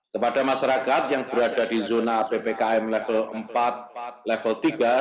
kepada masyarakat yang berada di zona ppkm level empat level tiga